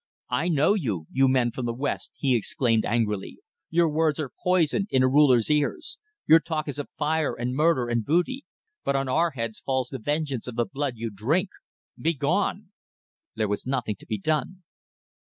"I know you, you men from the west," he exclaimed, angrily. "Your words are poison in a Ruler's ears. Your talk is of fire and murder and booty but on our heads falls the vengeance of the blood you drink. Begone!" There was nothing to be done.